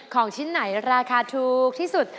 ของชิ้นไหนราคาถูกที่สุด